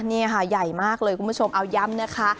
นี่ค่ะใหญ่มากเลยคุณผู้ชมเอาย้ำนะคะ